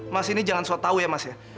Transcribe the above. mas ini jangan sok tau ya mas ya